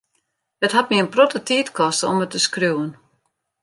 It hat my in protte tiid koste om it te skriuwen.